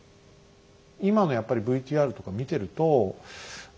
今のやっぱりＶＴＲとか見てると何ていうかな